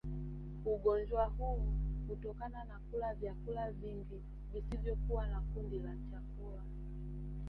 ugonjwa huu hutokana na kula vyakula vingi visivyokuwa na kundi la chakula